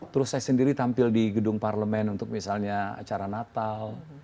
terus saya sendiri tampil di gedung parlemen untuk misalnya acara natal